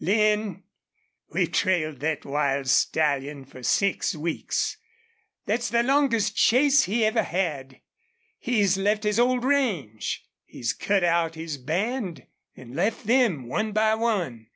"Lin, we've trailed thet wild stallion for six weeks. Thet's the longest chase he ever had. He's left his old range. He's cut out his band, an' left them, one by one.